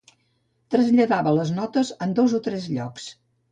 Traslladava les notes en dos o tres llocs.